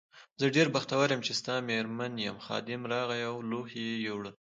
زه ډېره بختوره یم چې ستا مېرمن یم، خادم راغی او لوښي یې یووړل.